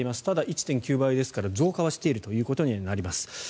ただ、１．９倍ですから増加はしているということになります。